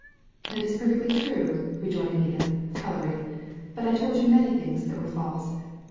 ••That is perfectly true," rejoined Edith, colour ing ;" but I told you many things that were false.